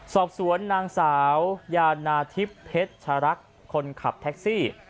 สอบสวนนางสาวยานาทิพย์เพชรชรักคนขับแท็กซี่